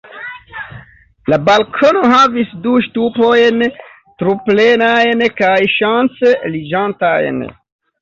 La balkono havis du ŝtupojn, truplenajn kaj ŝanceliĝantajn.